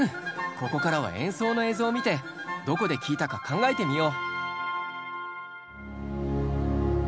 ここからは演奏の映像を見てどこで聴いたか考えてみよう。